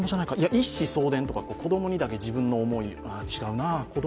一子相伝とか、子供にだけ自分の思い違うな。